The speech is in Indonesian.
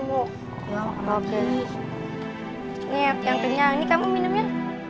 ini yang kenyang ini kamu minumnya